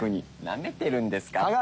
なめてるんですか？